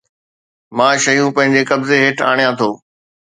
مان شيون پنهنجي قبضي هيٺ آڻيان ٿو